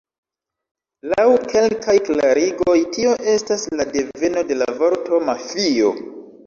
Laŭ kelkaj klarigoj tio estas la deveno de la vorto "mafio".